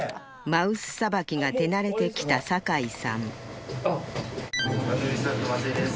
マウスさばきが手慣れてきた酒井さん